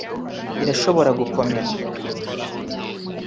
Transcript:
irashobora gukomera